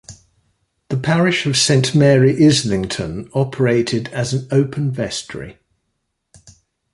The parish of Saint Mary Islington operated as an open vestry.